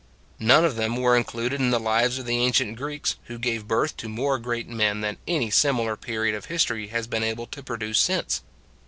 None of them were included in the lives of the ancient Greeks, who gave birth to more great men than any similar period of history has been able to produce since.